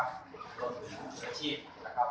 รวมถึงตัวอาหารหรือสิทธิ์นะครับ